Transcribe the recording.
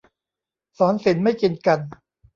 ศรศิลป์ไม่กินกัน